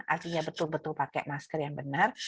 artinya betul betul pakai masker yang benar